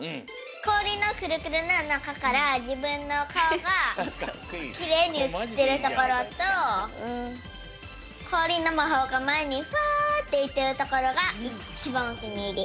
こおりのくるくるのなかからじぶんのかおがきれいにうつってるところとこおりのまほうがまえにファってういてるところがいちばんおきにいり。